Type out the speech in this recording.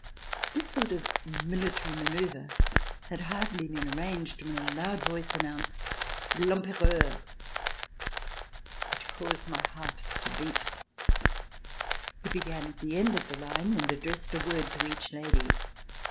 This sort of military manoeuvre had hardly been arranged when a loud voice an nounced: "L'Empereur!" which caused my heart to beat. He began at the end of the line and addressed a word to each lady.